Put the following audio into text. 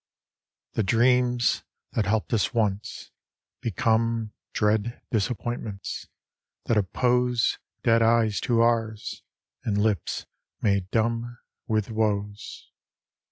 The dreams, that helped us once, become Dread disappointments, that oppose Dead eyes to ours, and lips made dumb With woes.